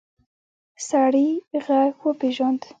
سړی غږ وپېژاند.